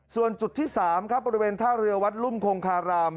ส่วนจุดที่๓ครับบริเวณท่าเรือวัดรุ่มคงคาราม